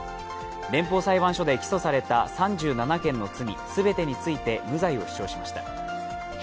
連邦裁判所で起訴された３７件の罪、全てについて無罪を主張しました。